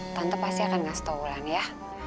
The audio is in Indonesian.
tante pasti akan ngasih tau ulan ya